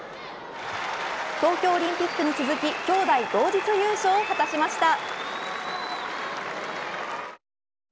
東京オリンピックに続ききょうだい同日優勝を果たしました。